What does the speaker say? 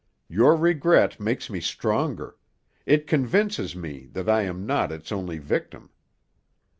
"Your regret makes me stronger; it convinces me that I am not its only victim.